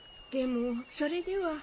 でもそれでは。